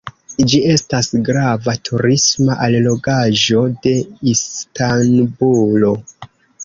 Ĝi estas grava turisma allogaĵo de Istanbulo.